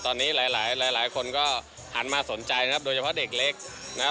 ตอนนี้หลายหลายหลายคนก็หันมาสนใจนะครับโดยเฉพาะเด็กเล็กนะครับ